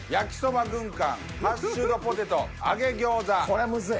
これむずい。